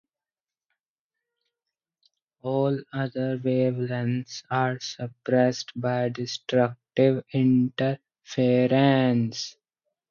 All other wavelengths are suppressed by destructive interference.